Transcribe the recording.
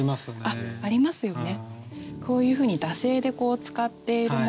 あっありますよね。